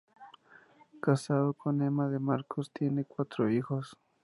Casado con Ema de Marcos, tiene cuatro hijos.